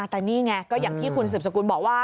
แต่นี่ไงก็อย่างที่คุณสืบสกุลบอกว่า